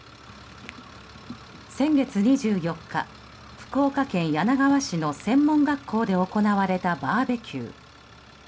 先月２４日福岡県柳川市の専門学校で行われたバーベキュー。